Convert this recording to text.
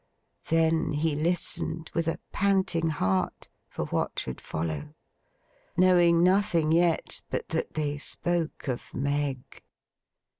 Then he listened, with a panting heart, for what should follow. Knowing nothing yet, but that they spoke of Meg.